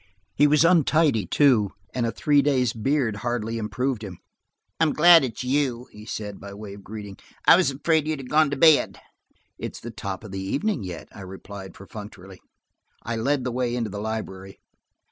He was untidy, too, and a three days' beard hardly improved him. "I'm glad it's you," he said, by way of greeting. "I was afraid you'd have gone to bed." 'It's the top of the evening yet," I replied perfunctorily, as I led the way into the library.